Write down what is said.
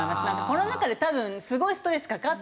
コロナ禍で多分すごいストレスかかって。